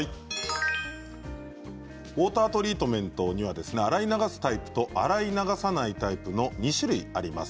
ウォータートリートメントには洗い流すタイプと洗い流さないタイプの２種類あります。